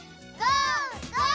ゴー！